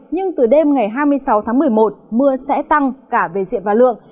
nhưng từ đêm ngày hai mươi sáu tháng một mươi một mưa sẽ tăng cả về diện và lượng